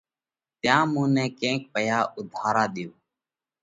تيام مُون نئہ ڪينڪ پئِيها اُوڌارا ۮيو۔